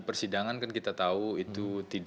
persidangan kan kita tahu itu